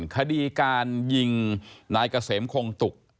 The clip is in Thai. คดีการยิงนายเกษมคงตุก